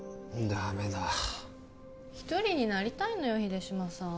ダメだ一人になりたいのよ秀島さん